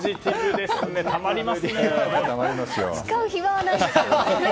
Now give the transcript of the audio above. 使う暇がないですね。